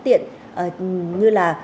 tiện như là